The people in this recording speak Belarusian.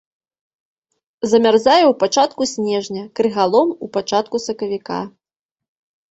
Замярзае ў пачатку снежня, крыгалом у пачатку сакавіка.